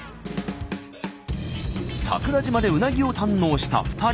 桜島でうなぎを堪能した２人。